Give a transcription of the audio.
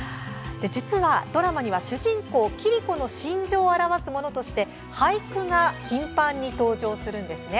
実は、ドラマには主人公、桐子の心情を表すものとして俳句が頻繁に登場します。